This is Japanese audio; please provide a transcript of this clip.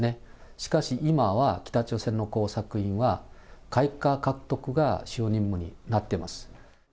しかし今は、北朝鮮の工作員は、外貨獲得が主要任務になっています。